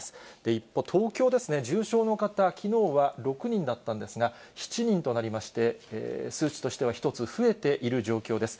一方、東京ですね、重症の方、きのうは６人だったんですが、７人となりまして、数値としては１つ増えている状況です。